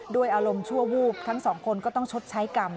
ด้วยอารมณ์ชั่ววูบทั้งสองคนก็ต้องชดใช้กรรม